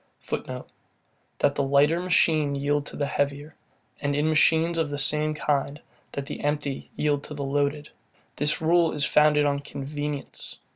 [Footnote: That the lighter machine yield to the heavier, and, in machines of the same kind, that the empty yield to the loaded; this rule is founded on convenience.